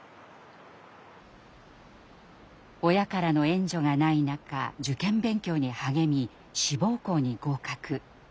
親からの援助がない中受験勉強に励み志望校に合格。